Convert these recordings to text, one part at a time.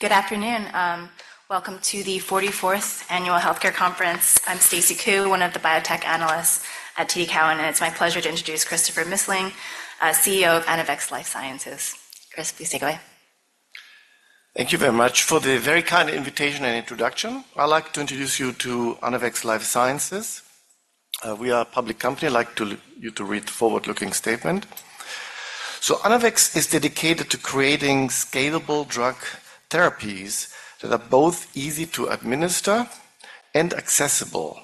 Good afternoon. Welcome to the 44th annual healthcare conference. I'm Stacy Ku, one of the biotech analysts at TD Cowen, and it's my pleasure to introduce Christopher Missling, CEO of Anavex Life Sciences. Chris, please take away. Thank you very much for the very kind invitation and introduction. I'd like to introduce you to Anavex Life Sciences. We are a public company. I'd like to ask you to read the forward-looking statement. So Anavex is dedicated to creating Scalable Drug therapies that are both easy to administer and accessible,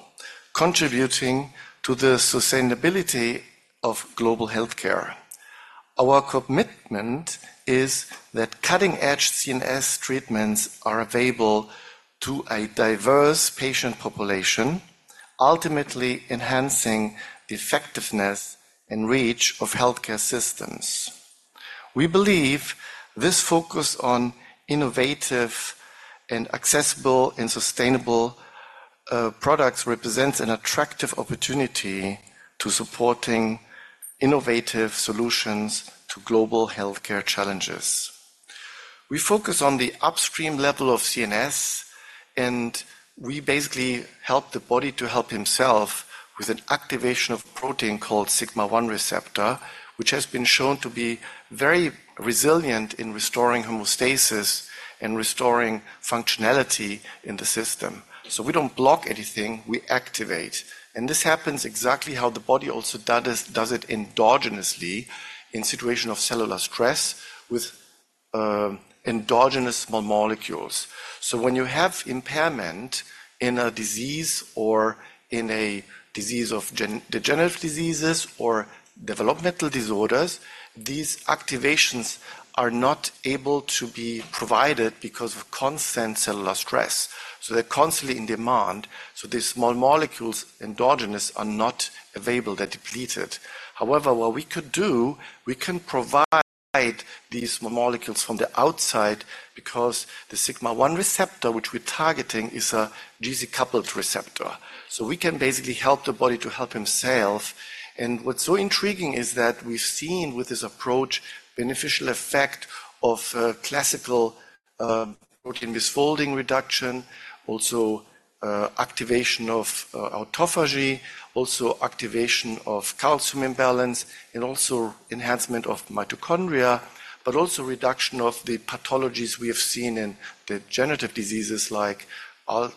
contributing to the sustainability of Global Healthcare. Our commitment is that cutting-edge CNS treatments are available to a diverse patient population, ultimately enhancing the effectiveness and reach of healthcare systems. We believe this focus on Innovative and Accessible and Sustainable products represents an attractive opportunity to supporting innovative solutions to global healthcare challenges. We focus on the upstream level of CNS, and we basically help the body to help himself with an activation of a protein called sigma-1 receptor, which has been shown to be very resilient in restoring homeostasis and restoring functionality in the system. So we don't block anything; we activate. And this happens exactly how the body also does it endogenously in situations of cellular stress with endogenous small molecules. So when you have impairment in a disease or in a disease of Neurodegenerative Diseases or Developmental Disorders, these activations are not able to be provided because of constant cellular stress. So they're constantly in demand, so these small molecules endogenous are not available. They're depleted. However, what we could do, we can provide these small molecules from the outside because the sigma-1 receptor which we're targeting is a G-protein-coupled receptor. So we can basically help the body to help himself. What's so intriguing is that we've seen with this approach beneficial effect of classical protein misfolding reduction, also activation of autophagy, also activation of calcium imbalance, and also enhancement of mitochondria, but also reduction of the pathologies we have seen in degenerative diseases like Aβ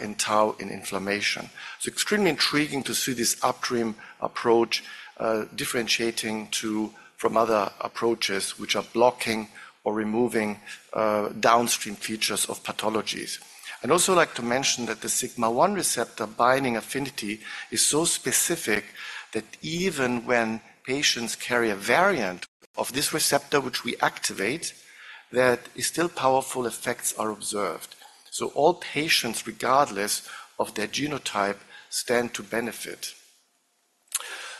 and Tau in inflammation. So extremely intriguing to see this upstream approach, differentiating it from other approaches which are blocking or removing downstream features of pathologies. I'd also like to mention that the Sigma-1 receptor binding affinity is so specific that even when patients carry a variant of this receptor which we activate, that still powerful effects are observed. So all patients, regardless of their genotype, stand to benefit.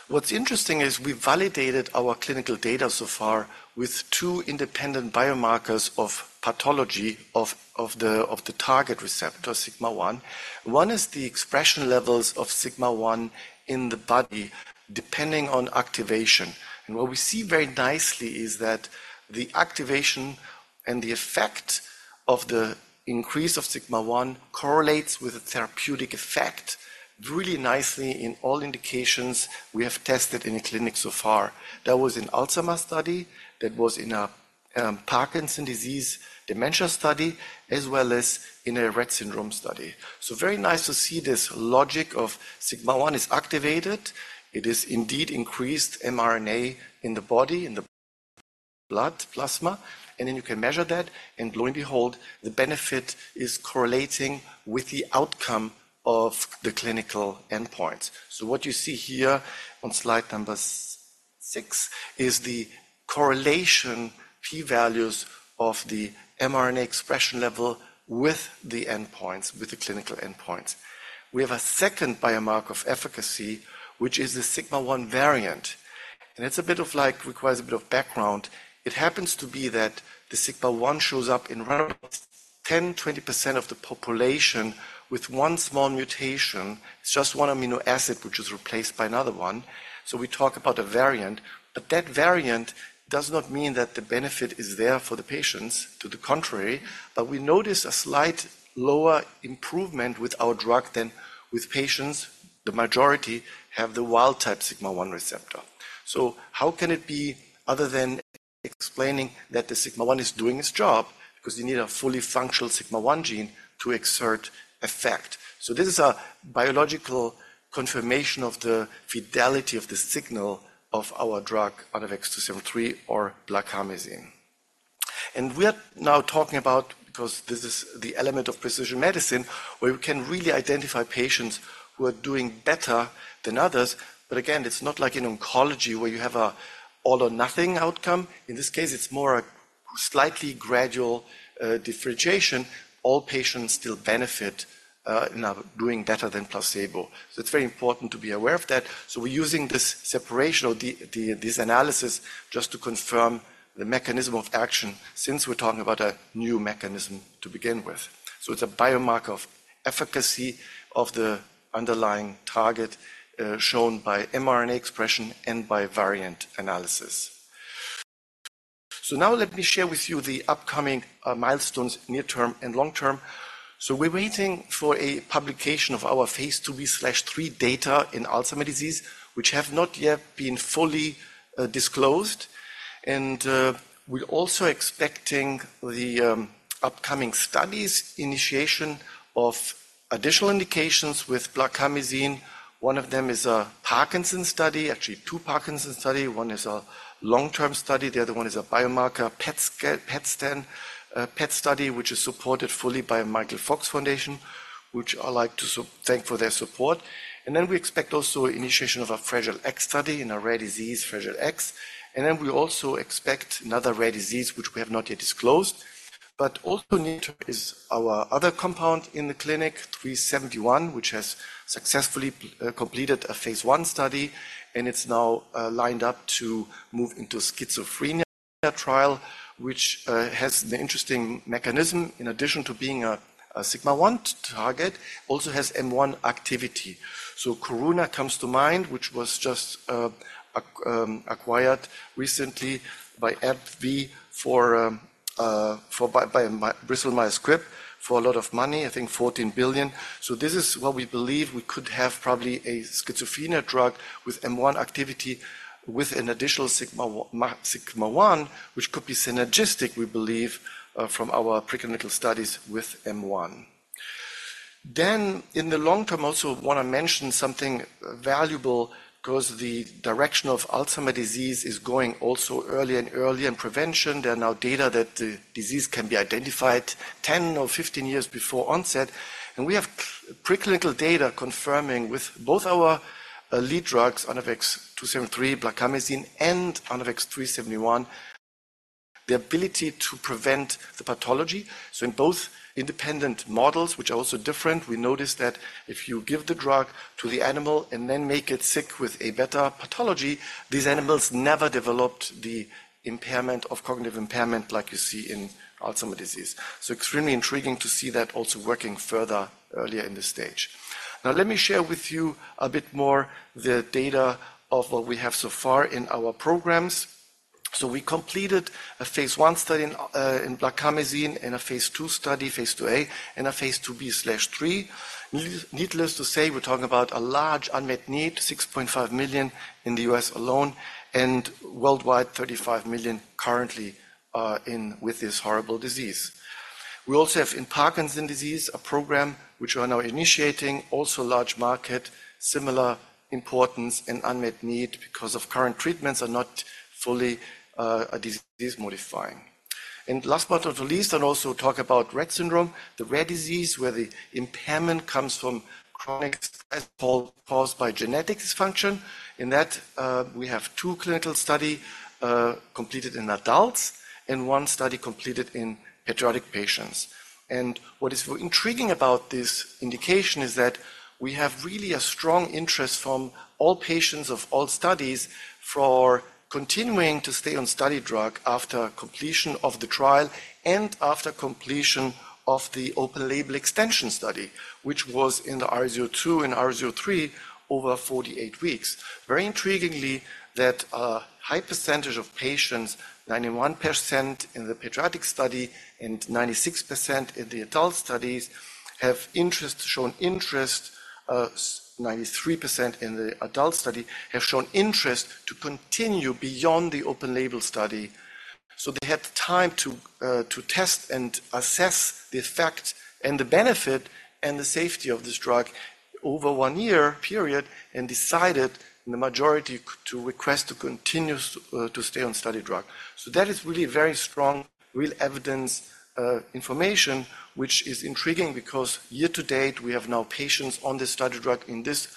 What's interesting is we've validated our clinical data so far with two independent biomarkers of pathology of the target receptor, Sigma-1. One is the expression levels of Sigma-1 in the body depending on activation. What we see very nicely is that the activation and the effect of the increase of Sigma-1 correlates with a therapeutic effect really nicely in all indications we have tested in the clinic so far. That was in an Alzheimer's study. That was in a Parkinson's disease dementia study, as well as in a Rett Syndrome study. Very nice to see this logic of Sigma-1 is activated. It is indeed increased mRNA in the body, in the blood plasma, and then you can measure that. And lo and behold, the benefit is correlating with the outcome of the clinical endpoints. What you see here on slide number six is the correlation p-values of the mRNA expression level with the endpoints, with the clinical endpoints. We have a second biomarker of efficacy, which is the Sigma-1 variant. It's a bit of like requires a bit of background. It happens to be that the Sigma-1 shows up in roughly 10%-20% of the population with one small mutation. It's just one amino acid which is replaced by another one. So we talk about a variant, but that variant does not mean that the benefit is there for the patients. To the contrary, but we notice a slight lower improvement with our drug than with patients, the majority, have the wild-type Sigma-1 receptor. So how can it be other than explaining that the Sigma-1 is doing its job because you need a fully functional Sigma-1 gene to exert effect? So this is a biological confirmation of the fidelity of the signal of our drug ANAVEX 2-73 or blarcamesine. We are now talking about because this is the element of precision medicine where we can really identify patients who are doing better than others. But again, it's not like in oncology where you have an all-or-nothing outcome. In this case, it's more a slightly gradual, differentiation. All patients still benefit, now doing better than placebo. So it's very important to be aware of that. So we're using this separation or this analysis just to confirm the mechanism of action since we're talking about a new mechanism to begin with. So it's a biomarker of efficacy of the underlying target, shown by mRNA expression and by variant analysis. So now let me share with you the upcoming milestones near-term and long-term. So we're waiting for a publication of our phase 2B/3 data in Alzheimer's disease, which have not yet been fully disclosed. We're also expecting the upcoming studies initiation of additional indications with blarcamesine. One of them is a Parkinson's study, actually two Parkinson's studies. One is a long-term study. The other one is a biomarker PET study, which is supported fully by the Michael J. Fox Foundation, which I'd like to thank for their support. And then we expect also initiation of a Fragile X study in a rare disease, Fragile X. And then we also expect another rare disease which we have not yet disclosed. But also near-term is our other compound in the clinic, 371, which has successfully completed a phase l study. And it's now lined up to move into a schizophrenia trial, which has an interesting mechanism. In addition to being a sigma-1 target, also has M1 activity. So Karuna comes to mind, which was just acquired recently by Bristol Myers Squibb for a lot of money, I think $14 billion. So this is what we believe we could have probably a schizophrenia drug with M1 activity with an additional Sigma-1, which could be synergistic, we believe, from our preclinical studies with M1. Then in the long-term also want to mention something valuable because the direction of Alzheimer's disease is going also earlier and earlier in prevention. There are now data that the disease can be identified 10 or 15 years before onset. And we have preclinical data confirming with both our lead drugs, Anavex 2-73, blarcamesine, and Anavex 3-71, the ability to prevent the pathology. So in both independent models, which are also different, we noticed that if you give the drug to the animal and then make it sick with a better pathology, these animals never developed the impairment of cognitive impairment like you see in Alzheimer's disease. So extremely intriguing to see that also working further earlier in this stage. Now let me share with you a bit more the data of what we have so far in our programs. So we completed a phase l study in Blarcamesine and a phase ll study, phase ll-A, and a phase ll-B/lll. Needless to say, we're talking about a large unmet need, 6.5 million in the U.S. alone, and worldwide 35 million currently, in with this horrible disease. We also have in Parkinson's disease a program which we are now initiating, also large market, similar importance and unmet need because current treatments are not fully disease-modifying. Last but not least, I'll also talk about Rett syndrome, the rare disease where the impairment comes from chronic stress caused by genetic dysfunction. In that, we have two clinical studies, completed in adults and one study completed in pediatric patients. And what is intriguing about this indication is that we have really a strong interest from all patients of all studies for continuing to stay on study drug after completion of the trial and after completion of the open-label extension study, which was in the R02 and R03 over 48 weeks. Very intriguingly that high percentage of patients, 91% in the pediatric study and 96% in the adult studies, have interest shown interest. 93% in the adult study have shown interest to continue beyond the open-label study. So they had time to test and assess the effect and the benefit and the safety of this drug over one year period and decided in the majority to request to continue to stay on study drug. So that is really very strong real evidence, information, which is intriguing because year to date we have now patients on this study drug in this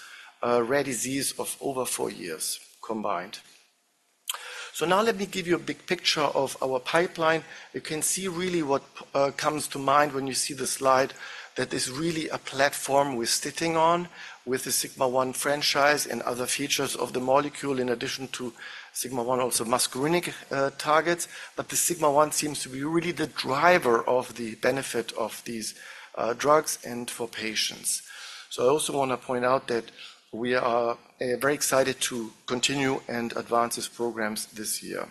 rare disease of over four years combined. So now let me give you a big picture of our pipeline. You can see really what comes to mind when you see the slide, that this is really a platform we're sitting on with the Sigma-1 franchise and other features of the molecule in addition to Sigma-1 also muscarinic targets. But the Sigma-1 seems to be really the driver of the benefit of these drugs and for patients. So I also want to point out that we are very excited to continue and advance these programs this year.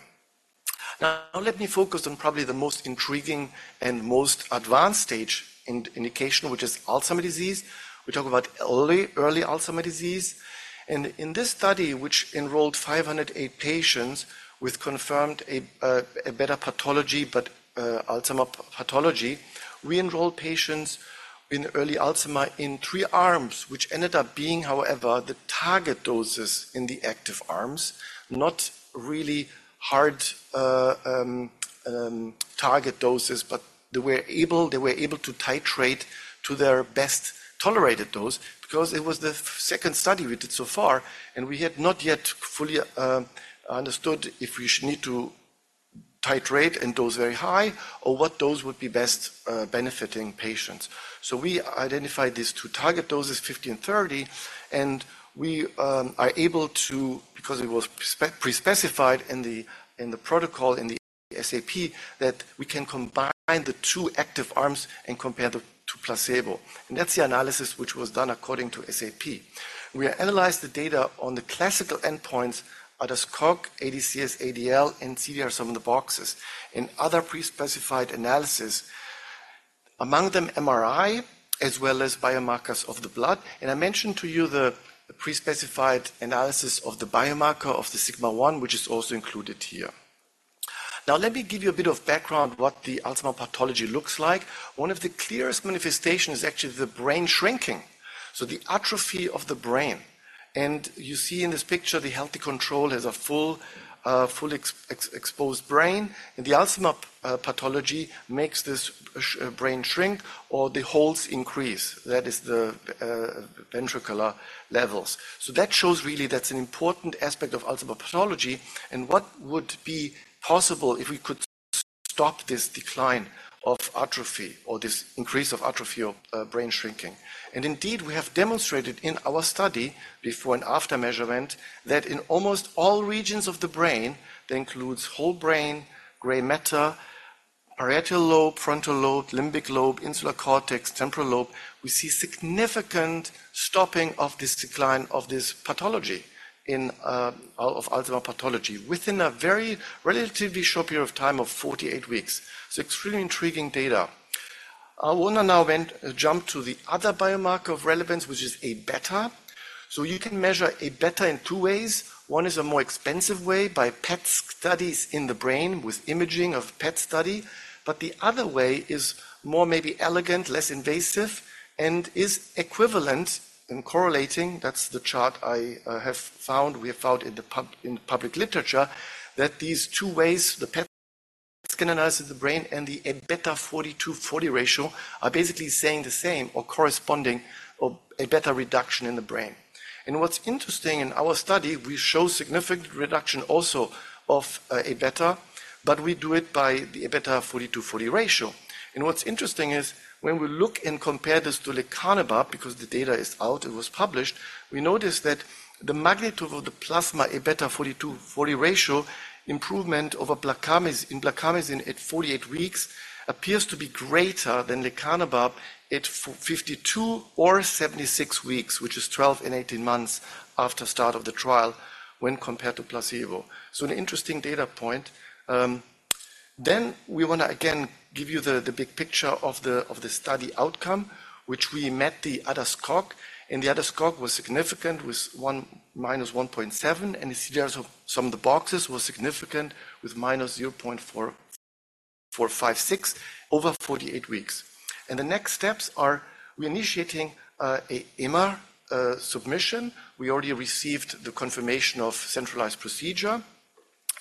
Now let me focus on probably the most intriguing and most advanced stage indication, which is Alzheimer's disease. We talk about early, early Alzheimer's disease. In this study, which enrolled 508 patients with confirmed amyloid pathology in Alzheimer's, we enrolled patients in early Alzheimer's in three arms, which ended up being, however, the target doses in the active arms, not really hard target doses, but they were able to titrate to their best tolerated dose because it was the second study we did so far. We had not yet fully understood if we need to titrate and dose very high or what dose would be best, benefiting patients. So we identified these two target doses, 50 and 30, and we are able to because it was prespecified in the protocol, in the SAP, that we can combine the two active arms and compare them to placebo. That's the analysis which was done according to SAP. We analyzed the data on the classical endpoints, ADAS-Cog, ADCS-ADL, and CDR sum of the boxes, and other prespecified analyses, among them MRI as well as biomarkers of the blood. I mentioned to you the prespecified analysis of the biomarker of the sigma-1, which is also included here. Now let me give you a bit of background what the Alzheimer's pathology looks like. One of the clearest manifestations is actually the brain shrinking, so the atrophy of the brain. You see in this picture the healthy control has a fully exposed brain. The Alzheimer's pathology makes this brain shrink or the holes increase. That is the ventricular levels. So that shows really that's an important aspect of Alzheimer's pathology and what would be possible if we could stop this decline of atrophy or this increase of atrophy or brain shrinking. And indeed, we have demonstrated in our study before and after measurement that in almost all regions of the brain, that includes whole brain, gray matter, parietal lobe, frontal lobe, limbic lobe, insular cortex, temporal lobe, we see significant stopping of this decline of this pathology in, of Alzheimer's pathology within a very relatively short period of time of 48 weeks. So extremely intriguing data. I want to now jump to the other biomarker of relevance, which is Aβ. So you can measure Aβ in two ways. One is a more expensive way by PET studies in the brain with imaging of PET study. But the other way is more maybe elegant, less invasive, and is equivalent and correlating. That's the chart I have found. We have found in the public literature that these two ways, the PET scan analysis of the brain and the Aβ 42/40 ratio, are basically saying the same or corresponding or Aβ reduction in the brain. And what's interesting in our study, we show significant reduction also of Aβ, but we do it by the Aβ 42/40 ratio. And what's interesting is when we look and compare this to lecanemab because the data is out, it was published, we notice that the magnitude of the plasma Aβ 42/40 ratio improvement over blarcamesine at 48 weeks appears to be greater than lecanemab at 52 or 76 weeks, which is 12 and 18 months after start of the trial when compared to placebo. So an interesting data point. Then we want to again give you the big picture of the study outcome, which we met the ADAS-Cog13. The ADAS-Cog was significant with -1.7. The CDR-SB was significant with -0.456 over 48 weeks. The next steps are we are initiating an MAA submission. We already received the confirmation of centralized procedure.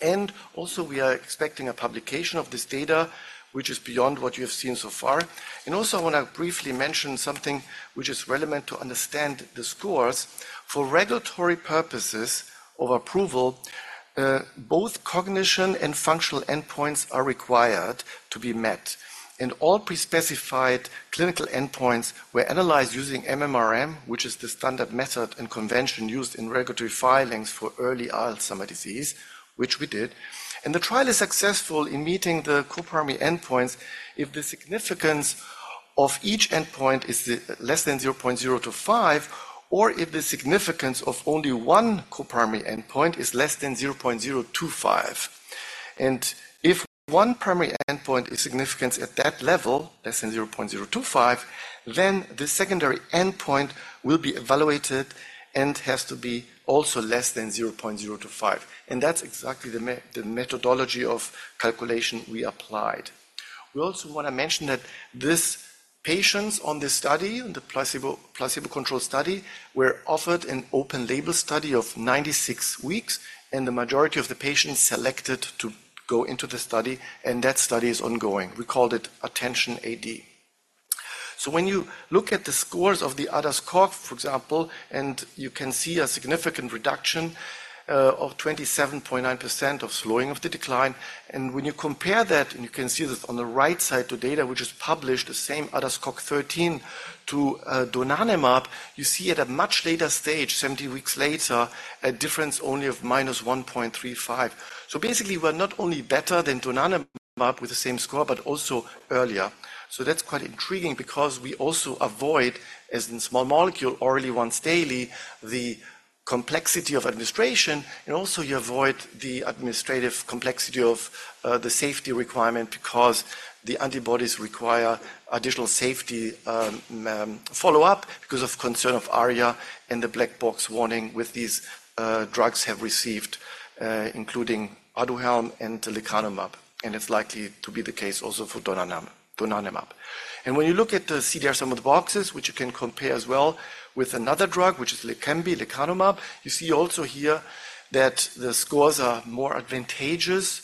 We also are expecting a publication of this data, which is beyond what you have seen so far. I also want to briefly mention something which is relevant to understand the scores. For regulatory purposes of approval, both cognition and functional endpoints are required to be met. All prespecified clinical endpoints were analyzed using MMRM, which is the standard method and convention used in regulatory filings for early Alzheimer's disease, which we did. The trial is successful in meeting the coprimary endpoints if the significance of each endpoint is less than 0.025 or if the significance of only one coprimary endpoint is less than 0.025. If one primary endpoint is significant at that level, less than 0.025, then the secondary endpoint will be evaluated and has to be also less than 0.025. That's exactly the methodology of calculation we applied. We also want to mention that these patients on this study, in the placebo control study, were offered an open-label study of 96 weeks. The majority of the patients selected to go into the study. That study is ongoing. We called it ATTENTION-AD. So when you look at the scores of the ADAS-Cog, for example, and you can see a significant reduction, of 27.9% of slowing of the decline. And when you compare that, and you can see this on the right side to data, which is published, the same ADAS-Cog13 to Donanemab, you see at a much later stage, 70 weeks later, a difference only of minus 1.35. So basically, we're not only better than Donanemab with the same score, but also earlier. So that's quite intriguing because we also avoid, as in small molecule, orally once daily, the complexity of administration. And also you avoid the administrative complexity of, the safety requirement because the antibodies require additional safety, follow-up because of concern of ARIA and the black box warning with these, drugs have received, including Aduhelm and Lecanemab. And it's likely to be the case also for Donanemab. When you look at the CDR, some of the boxes, which you can compare as well with another drug, which is Lecanemab, you see also here that the scores are more advantageous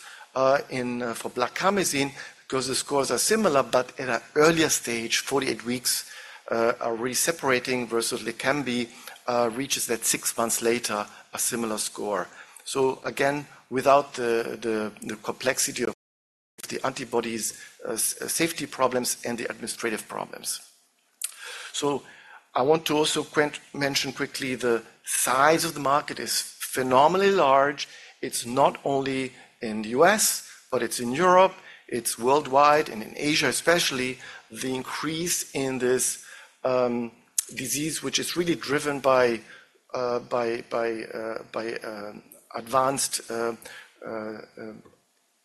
in favor of blarcamesine because the scores are similar, but at an earlier stage, 48 weeks, are really separating versus Lecanemab, reaches that six months later, a similar score. So again, without the complexity of the antibodies, safety problems and the administrative problems. So I want to also mention quickly the size of the market is phenomenally large. It's not only in the U.S., but it's in Europe. It's worldwide and in Asia especially, the increase in this disease, which is really driven by advanced,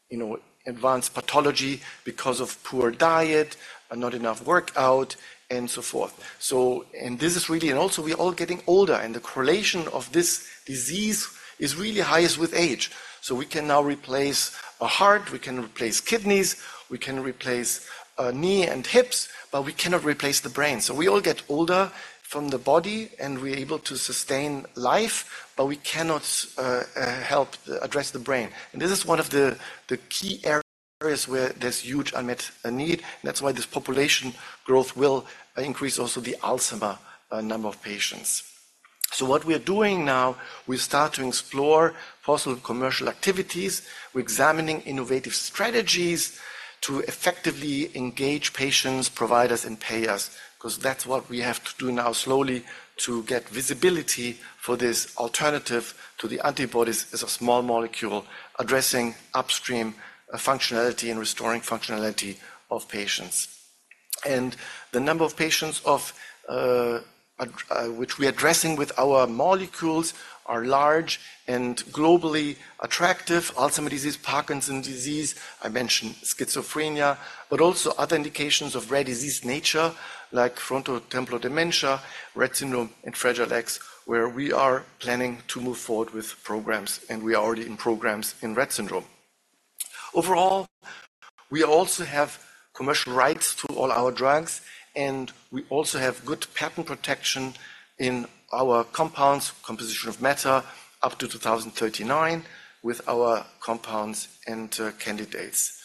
you know, advanced pathology because of poor diet, not enough workout, and so forth. So this is really and also we're all getting older. The correlation of this disease is really highest with age. We can now replace a heart. We can replace kidneys. We can replace knees and hips. But we cannot replace the brain. We all get older from the body and we're able to sustain life. But we cannot help address the brain. This is one of the the key areas where there's huge unmet need. That's why this population growth will increase also the Alzheimer's number of patients. What we're doing now, we start to explore possible commercial activities. We're examining innovative strategies to effectively engage patients, providers, and payers because that's what we have to do now slowly to get visibility for this alternative to the antibodies as a small molecule addressing upstream functionality and restoring functionality of patients. The number of patients, which we're addressing with our molecules, are large and globally attractive. Alzheimer's disease, Parkinson's disease, I mentioned schizophrenia, but also other indications of rare disease nature like frontotemporal dementia, Rett Syndrome, and Fragile X, where we are planning to move forward with programs. And we are already in programs in Rett Syndrome. Overall, we also have commercial rights to all our drugs. And we also have good patent protection in our compounds, composition of matter, up to 2039 with our compounds and candidates.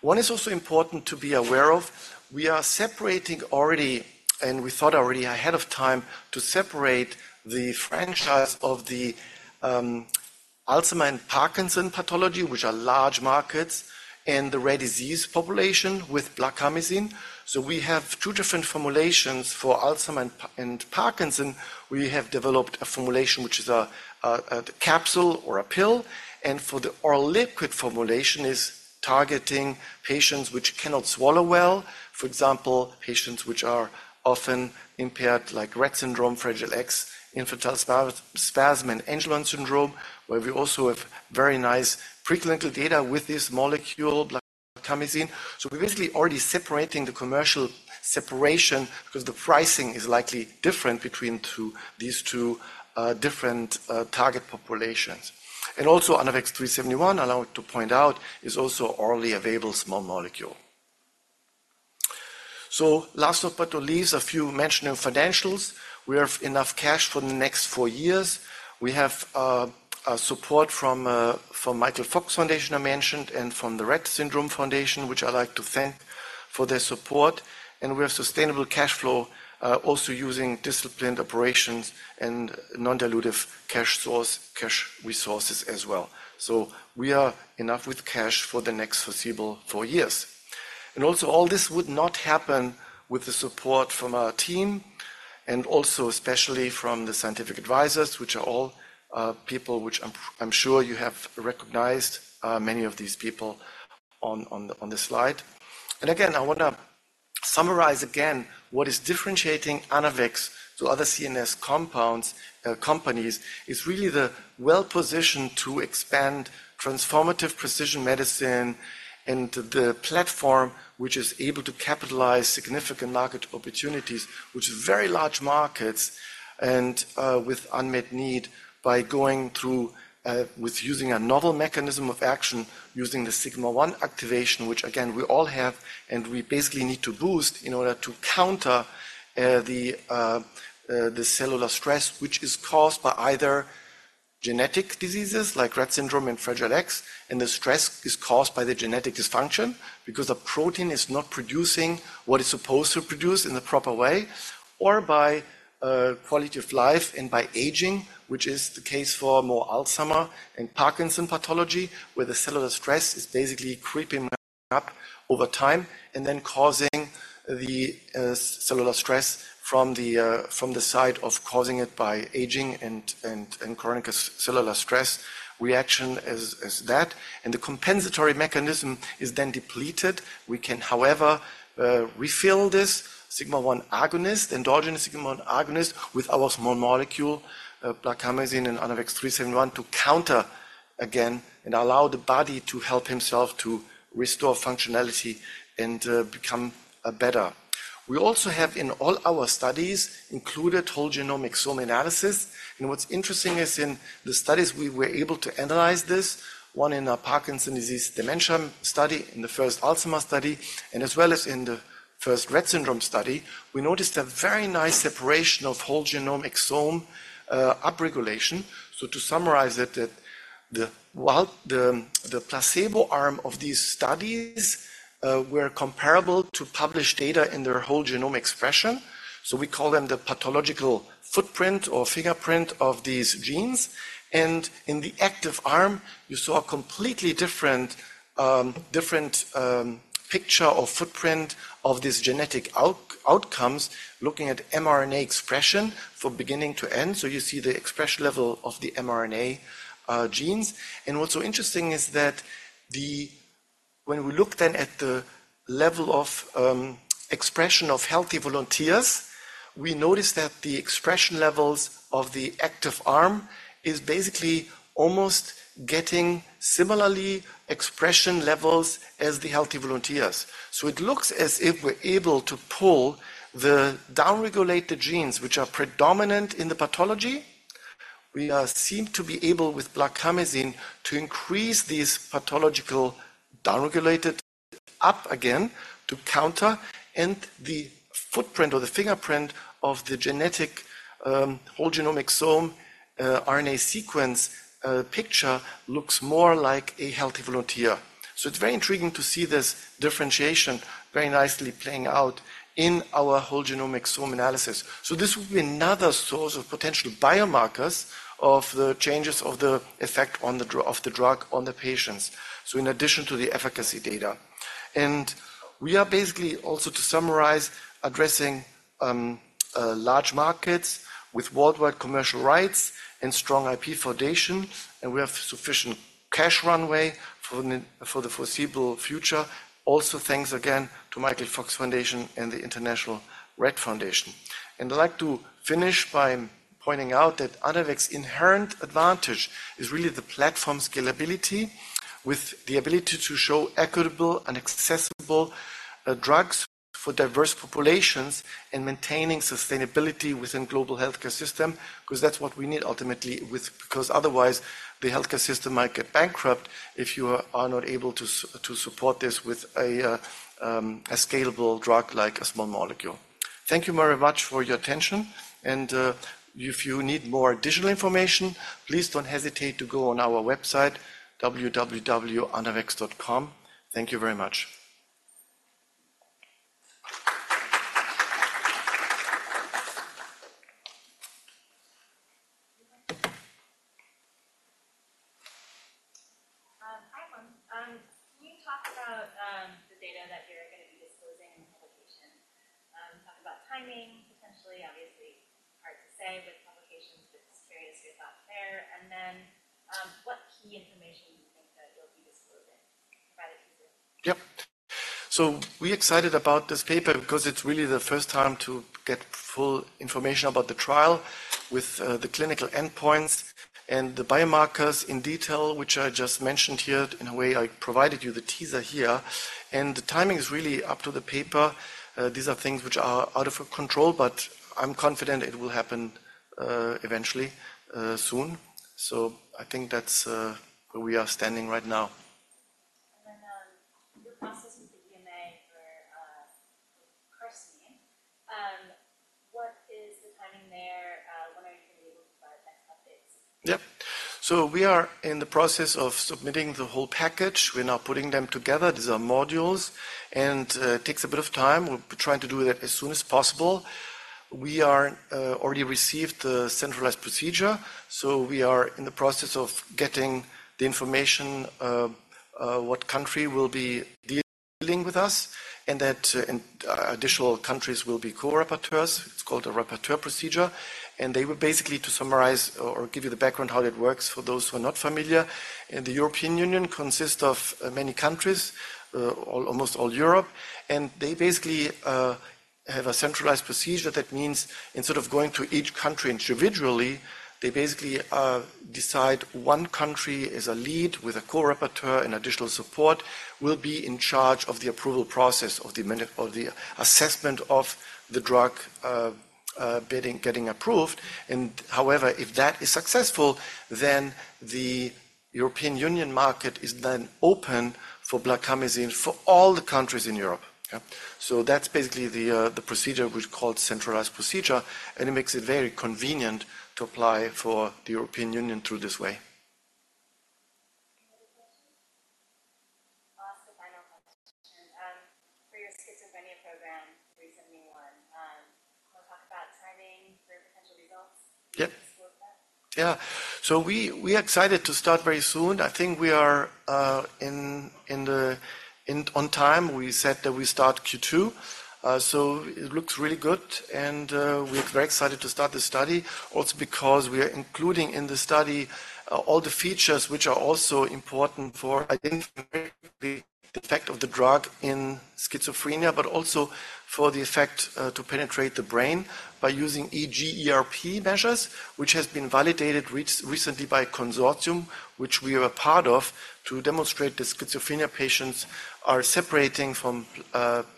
One is also important to be aware of. We are separating already and we thought already ahead of time to separate the franchise of the Alzheimer's and Parkinson's pathology, which are large markets, and the rare disease population with blarcamesine. So we have two different formulations for Alzheimer's and Parkinson's. We have developed a formulation which is a capsule or a pill. For the oral liquid formulation, it is targeting patients which cannot swallow well, for example, patients which are often impaired like Rett syndrome, Fragile X, infantile spasm and Angelman syndrome, where we also have very nice preclinical data with this molecule, blarcamesine. So we're basically already separating the commercial separation because the pricing is likely different between these two, different, target populations. And also Anavex 3-71, I want to point out, is also orally available small molecule. So last but not least, a few mentioning financials. We have enough cash for the next four years. We have support from the Michael Fox Foundation I mentioned and from the Rett syndrome foundation, which I like to thank for their support. We have sustainable cash flow, also using disciplined operations and non-dilutive cash source, cash resources as well. So we are enough with cash for the next foreseeable four years. And also all this would not happen with the support from our team and also especially from the scientific advisors, which are all people which I'm sure you have recognized, many of these people on the slide. And again, I want to summarize again what is differentiating Anavex to other CNS compounds, companies. It's really the well-positioned to expand transformative precision medicine and the platform which is able to capitalize significant market opportunities, which are very large markets and, with unmet need by going through, with using a novel mechanism of action, using the Sigma-1 activation, which again, we all have and we basically need to boost in order to counter, the, the cellular stress which is caused by either genetic diseases like Rett Syndrome and Fragile X. And the stress is caused by the genetic dysfunction because a protein is not producing what it's supposed to produce in the proper way or by quality of life and by aging, which is the case for more Alzheimer's and Parkinson's pathology, where the cellular stress is basically creeping up over time and then causing the cellular stress from the side of causing it by aging and chronic cellular stress reaction as that. And the compensatory mechanism is then depleted. We can, however, refill this Sigma-1 agonist, endogenous Sigma-1 agonist with our small molecule, blarcamesine and ANAVEX 3-71 to counter again and allow the body to help himself to restore functionality and become better. We also have in all our studies included whole exome sequencing analysis. What's interesting is in the studies, we were able to analyze this, one in our Parkinson's disease dementia study, in the first Alzheimer's study, and as well as in the first Rett Syndrome study, we noticed a very nice separation of whole genomic sum, upregulation. So to summarize it, that while the placebo arm of these studies were comparable to published data in their whole genomic expression. So we call them the pathological footprint or fingerprint of these genes. And in the active arm, you saw a completely different picture or footprint of these genetic outcomes looking at mRNA expression from beginning to end. So you see the expression level of the mRNA genes. And what's so interesting is that when we look then at the level of expression of healthy volunteers, we notice that the expression levels of the active arm is basically almost getting similarly expression levels as the healthy volunteers. So it looks as if we're able to pull the downregulated genes, which are predominant in the pathology. We seem to be able with blarcamesine to increase these pathological downregulated up again to counter. And the footprint or the fingerprint of the genetic, whole genome RNA sequencing, picture looks more like a healthy volunteer. So it's very intriguing to see this differentiation very nicely playing out in our whole genome RNA sequencing analysis. So this will be another source of potential biomarkers of the changes of the effect of the drug on the patients, so in addition to the efficacy data. We are basically also, to summarize, addressing large markets with worldwide commercial rights and strong IP foundation. We have sufficient cash runway for the foreseeable future. Also thanks again to Michael J. Fox Foundation and the International Rett Syndrome Foundation. I'd like to finish by pointing out that Anavex's inherent advantage is really the platform scalability with the ability to show equitable and accessible drugs for diverse populations and maintaining sustainability within the global healthcare system because that's what we need ultimately with because otherwise, the healthcare system might get bankrupt if you are not able to support this with a scalable drug like a small molecule. Thank you very much for your attention. If you need more additional information, please don't hesitate to go on our website, www.anavex.com. Thank you very much. Hi, Owen. Can you talk about the data that you're going to be disclosing in the publication? Talk about timing, potentially. Obviously, hard to say with publications, but just curious your thoughts there. And then, what key information do you think that you'll be disclosing? Provide a teaser. Yep. We're excited about this paper because it's really the first time to get full information about the trial with the clinical endpoints and the biomarkers in detail, which I just mentioned here in a way I provided you the teaser here. The timing is really up to the paper. These are things which are out of control, but I'm confident it will happen, eventually, soon. I think that's where we are standing right now. Then, your process with the DNA for CRISPR. What is the timing there? When are you going to be able to provide next updates? Yep. So we are in the process of submitting the whole package. We're now putting them together. These are modules. And it takes a bit of time. We're trying to do that as soon as possible. We are already received the Centralized Procedure. So we are in the process of getting the information, what country will be dealing with us and that, and additional countries will be co-rapporteurs. It's called a rapporteur procedure. And they were basically to summarize or give you the background how it works for those who are not familiar, in the European Union consist of many countries, almost all Europe. And they basically have a Centralized Procedure. That means instead of going to each country individually, they basically decide one country as a lead with a co-rapporteur and additional support will be in charge of the approval process of the assessment of the drug, getting approved. However, if that is successful, then the European Union market is then open for blarcamesine for all the countries in Europe. Yeah. So that's basically the procedure which is called Centralized Procedure. And it makes it very convenient to apply for the European Union through this way. Any other questions? Last and final question. For your schizophrenia program, recently won. Want to talk about timing for potential results? Yep. Yeah. So we're excited to start very soon. I think we are in on time. We said that we start Q2, so it looks really good. And we're very excited to start the study also because we are including in the study all the features which are also important for identifying the effect of the drug in schizophrenia, but also for the effect to penetrate the brain by using EEG/ERP measures, which has been validated recently by a consortium which we are a part of, to demonstrate that schizophrenia patients are separating from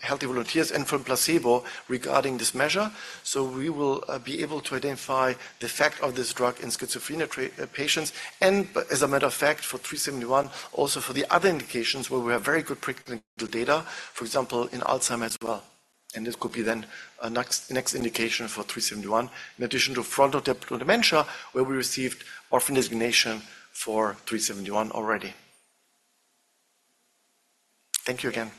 healthy volunteers and from placebo regarding this measure. So we will be able to identify the effect of this drug in schizophrenia patients. And as a matter of fact, for ANAVEX®3-71, also for the other indications where we have very good preclinical data, for example, in Alzheimer's as well. This could be then a next next indication for 371 in addition to Frontotemporal Dementia, where we received orphan designation for 371 already. Thank you again.